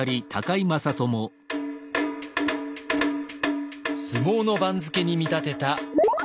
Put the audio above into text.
相撲の番付に見立てた温泉番付。